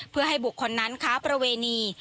เพื่อให้บุคคลนั้นค้าประเวณี